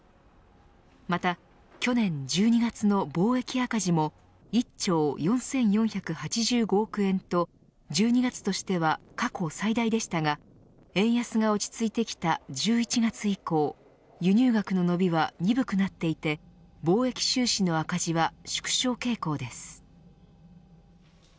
また去年１２月の貿易赤字も１兆４４８５億円と１２月としては過去最大でしたが円安が落ち着いてきた１１月以降輸入額の伸びは鈍くなっていて貿易収支の赤字は縮小傾向です。